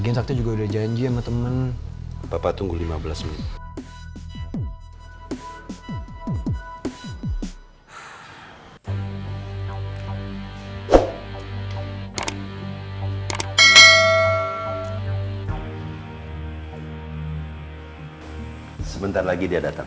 iya ibu aduh ibu tenang dong